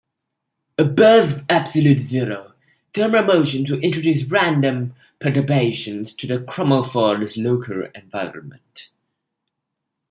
Above absolute zero, thermal motions will introduce random perturbations to the chromophores local environment.